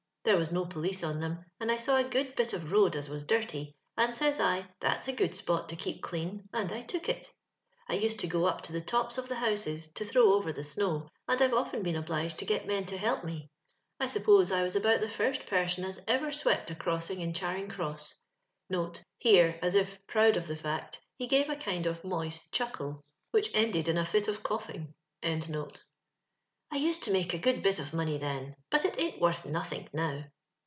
There was no police on then, and I saw a good hit of road as was dirty, and says I, ' That's a good qtotto keep clean,' and I took it I used to go op to the tops of the houses to throw over the snow, and I've often been obliged to get men to help me. I suppose I was about the first person as ever swept a crossing in Chaxing cioss ; (here, as if proud of the fact^ he gave a kind of moist chuckle, which ended in a fit of cough ing). I used to make a good bit of money then ; but it ain't worth nothink, now.